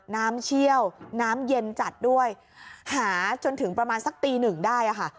เชี่ยวน้ำเย็นจัดด้วยหาจนถึงประมาณสักตีหนึ่งได้ค่ะ